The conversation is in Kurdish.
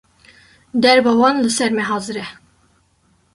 Derba wan li ser me hazir e